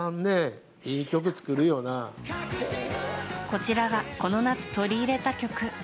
こちらは、この夏取り入れた曲。